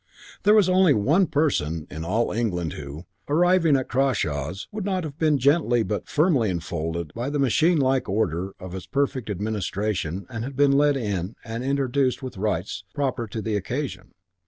There was only one person in all England who, arriving at Crawshaws, would not have been gently but firmly enfolded by the machine like order of its perfect administration and been led in and introduced with rites proper to the occasion.